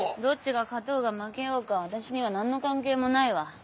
どっちが勝とうが負けようが私には何の関係もないわ。